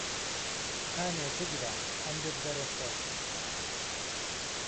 هانێ بگره عەمرت بەره سەر